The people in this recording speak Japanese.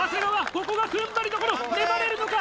ここがふんばりどころ粘れるのか